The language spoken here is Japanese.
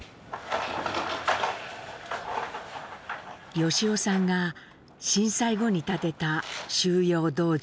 由夫さんが震災後に建てた「舟要洞場」。